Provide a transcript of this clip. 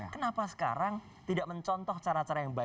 kenapa sekarang tidak mencontoh cara cara yang baik